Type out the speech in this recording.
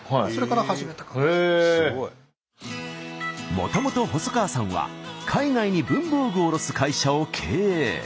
もともと細川さんは海外に文房具を卸す会社を経営。